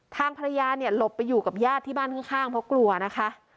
ทางภรรยาเนี่ยหลบไปอยู่กับญาติที่บ้านข้างเพราะกลัวนะคะ